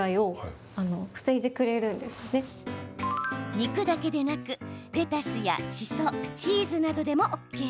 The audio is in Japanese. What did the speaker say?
肉だけでなくレタスや、しそチーズなどでもＯＫ。